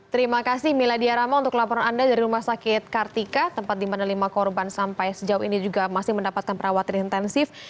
terima kasih miladia rahma untuk laporan anda dari rumah sakit kartika tempat di mana lima korban sampai sejauh ini juga masih mendapatkan perawatan intensif